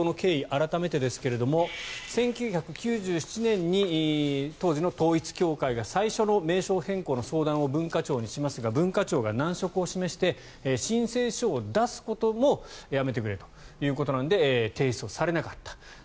改めてですが１９９７年に当時の統一教会が最初の名称変更の相談を文化庁にしますが文化庁が難色を示して申請書を出すこともやめてくれということなので提出されなかった。